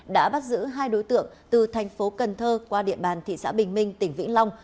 đã bắt giữ hai đối tượng từ thành phố cần thơ qua địa bàn thị xã bình minh tỉnh vĩnh long